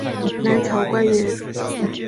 南朝官员。